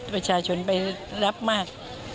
วัชชนไปรับมาก